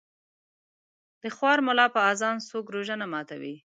متل: د خوار ملا په اذان څوک روژه نه ماتوي.